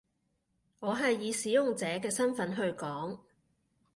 我係以使用者嘅身分去講